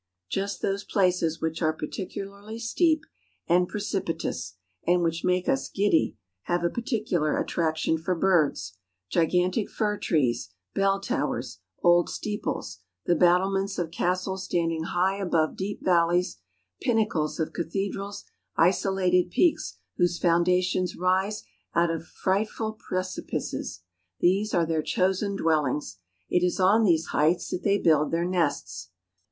Just those places which are particularly steep and pre 314 MOUNTAIN ADVENTURES. cipitous, and which make us giddy, have a particular attraction for birds; gigantic fir trees, bell towers, old steeples, the battlements of castles standing high above deep valleys, pinnacles of cathedrals, isolated peaks whose foundations rise out of frightful pre Condors. cipices, these are their chosen dwellings; it is on these heights that they build their nests.